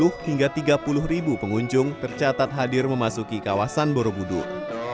dua puluh hingga tiga puluh ribu pengunjung tercatat hadir memasuki kawasan borobudur